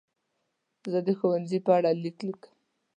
زه د ښوونځي په اړه لیک لیکم.